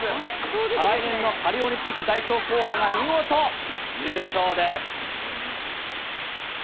再来年のパリオリンピック代表候補が、見事、優勝です。